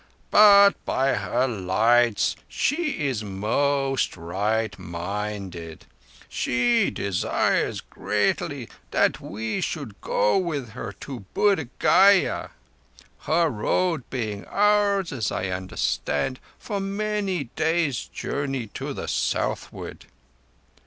"But by her lights she is most right minded. She desires greatly that we should go with her to Buddh Gaya; her road being ours, as I understand, for many days' journey to the southward."